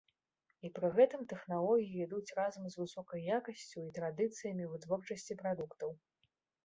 І пры гэтым тэхналогіі ідуць разам з высокай якасцю і традыцыямі вытворчасці прадуктаў.